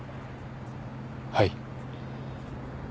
はい。